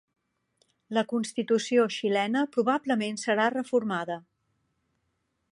La constitució xilena probablement serà reformada